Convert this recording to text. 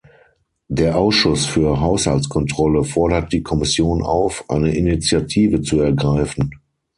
Der Ausschuss für Haushaltskontrolle fordert die Kommission auf, eine Initiative zu ergreifen.